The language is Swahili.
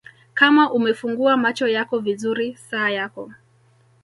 Kama umefungua macho yako vizuri saa yako